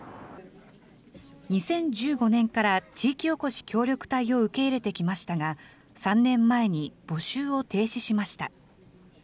２０１５年から地域おこし協力隊を受け入れてきましたが、３年前に募集を停止しました。